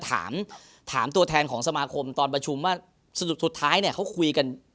ถามถามตัวแทนของสมาคมตอนประชุมว่าสรุปสุดท้ายเนี่ยเขาคุยกัน